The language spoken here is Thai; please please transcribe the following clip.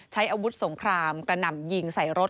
ใช้อาวุธสงครามกระหน่ำยิงใส่รถ